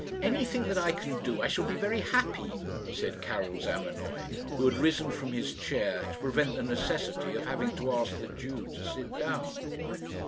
"Anything that I can do, I shall be very happy," said Karil Zamenoy, who had risen from his chair to prevent the necessity of having to ask the Jew to sit down.